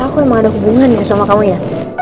aku emang ada hubungan ya sama kamu ya